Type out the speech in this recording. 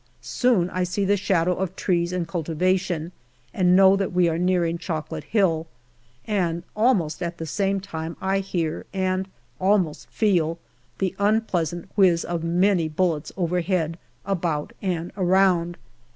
Soon I see the shadow of trees and cultivation, and know that we are nearing Chocolate Hill, and almost at the same time I hear and almost feel the unpleasant whiz of many bullets overhead, about, and around.